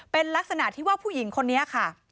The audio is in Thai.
เป็นลักษณะที่ว่าผู้หญิงคนนี้ค่ะ